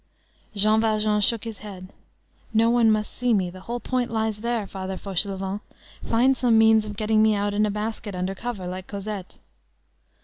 Jean Valjean shook his head. "No one must see me, the whole point lies there, Father Fauchelevent. Find some means of getting me out in a basket, under cover, like Cosette."